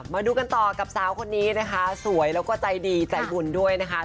มาดูกันต่อกับสาวคนนี้นะคะสวยแล้วก็ใจดีใจบุญด้วยนะคะ